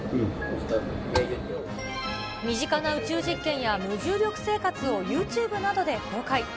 身近な宇宙実験や無重力生活をユーチューブなどで公開。